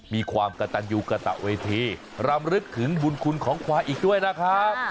มีความกระตันยูกระตะเวทีรำลึกถึงบุญคุณของควายอีกด้วยนะครับ